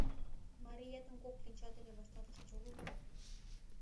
— Мариетым кок кленча дене вашталтышыч огыл мо?